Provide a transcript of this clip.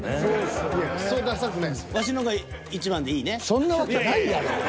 そんなわけないやろ！